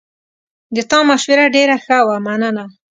د تا مشوره ډېره ښه وه، مننه